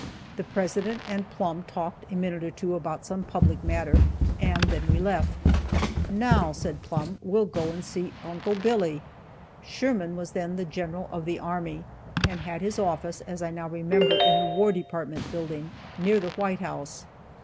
The President and Plumb talked a minute or two about some public matter, and then we left. "Now," said Plumb, "we'll go and see 'Uncle Billy'." Sherman was then the General of the Army, and had his office, as I now remember, in the War Department building, near the White House.